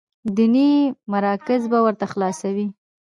ديني مراکز به ورته خلاصوي،